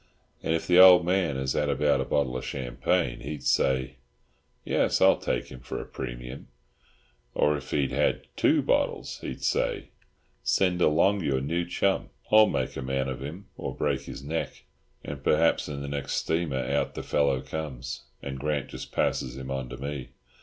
And if the old man had had about a bottle of champagne, he'd say, "Yes, I'll take him—for a premium," or if he'd had two bottles, he'd say, "Send along your new chum—I'll make a man of him or break his neck." And perhaps in the next steamer out the fellow comes, and Grant just passes him on to me.